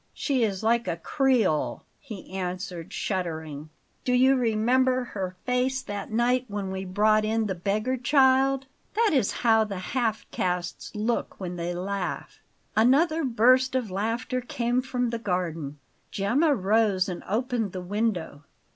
"She is like a Creole," he answered, shuddering. "Do you remember her face that night when we brought in the beggar child? That is how the half castes look when they laugh." Another burst of laughter came from the garden. Gemma rose and opened the window.